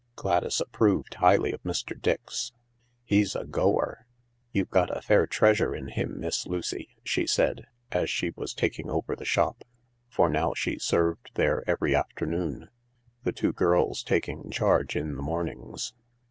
Gladys approved highly of Mr. Dix. " He's a goer. You've got a fair treasure in him, Miss Lucy," she said, as she was taking over theshop — for now she served there every afternoon, the two girls taking charge in the mornings.